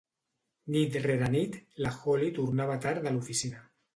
Nit rere nit, la Holly tornava tard de l'oficina.